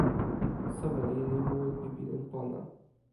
soweli li mu pi pilin pona.